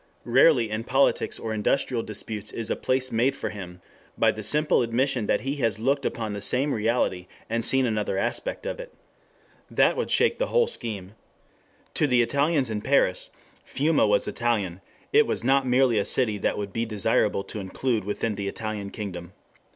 Rarely in politics or industrial disputes is a place made for him by the simple admission that he has looked upon the same reality and seen another aspect of it. That would shake the whole scheme. Thus to the Italians in Paris Fiume was Italian It was not merely a city that it would be desirable to include within the Italian kingdom.